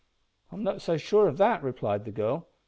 "I'm not so sure of that," replied the girl.